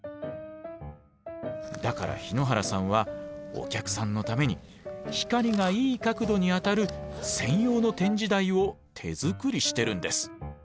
だから日野原さんはお客さんのために光がいい角度に当たる専用の展示台を手作りしてるんです。